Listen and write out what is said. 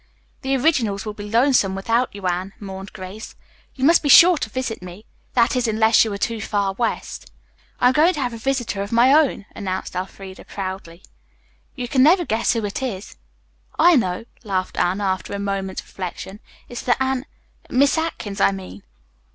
"The Originals will be lonesome without you, Anne," mourned Grace. "You must be sure to visit me. That is, unless you are too far west." "I am going to have a visitor of my own," announced Elfreda proudly. "You can never guess who it is." "I know," laughed Anne, after a moment's reflection. "It is the Anar Miss Atkins, I mean."